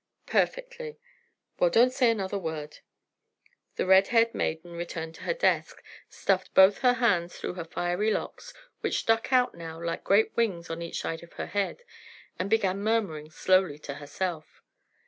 "Perfectly." "Well, don't say another word." The red haired maiden returned to her desk, stuffed both her hands through her fiery locks, which stuck out now like great wings on each side of her head, and began murmuring slowly to herself.